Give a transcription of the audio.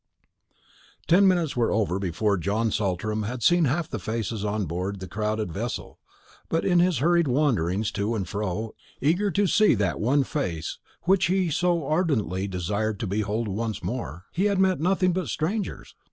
The ten minutes were over before John Saltram had seen half the faces on board the crowded vessel; but in his hurried wanderings to and fro, eager to see that one face which he so ardently desired to behold once wore, he had met nothing but strangers.